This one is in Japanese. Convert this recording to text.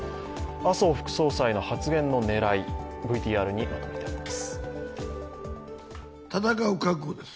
麻生副総裁の発言の狙いＶＴＲにまとめています。